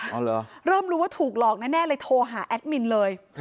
เริ่มรู้ว่าถูกหลอกแน่เลยโทรหาแอดมินเลย